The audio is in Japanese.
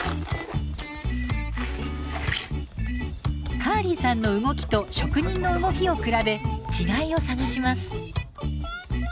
カーリーさんの動きと職人の動きを比べ違いを探します。